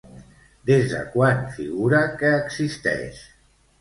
Des de quan figura que existeix?